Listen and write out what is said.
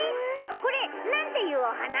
これなんていうおはな？